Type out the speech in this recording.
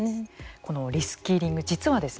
このリスキリング実はですね